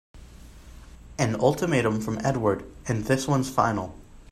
An ultimatum from Edward and this one's final!